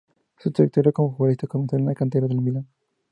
Su trayectoria como futbolista comenzó en la cantera del Milan.